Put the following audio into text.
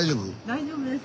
大丈夫です。